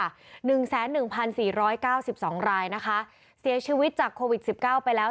หนึ่งแสนหนึ่งพันสี่ร้อยเก้าสิบสองรายนะคะเสียชีวิตจากโควิดสิบเก้าไปแล้ว